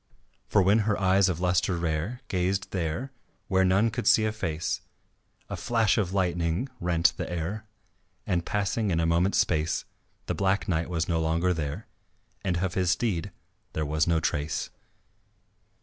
For when her eyes of lustre rare Gazed there, where none could see a face, A flash of lightning rent the air; And, passing in a moment's space, The Black Knight was no longer there And of his steed there was no trace.